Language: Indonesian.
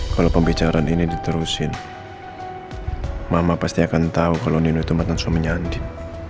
kalau pembicaraan ini diterusin mama pasti akan tahu kalau nino itu mantan suaminya andin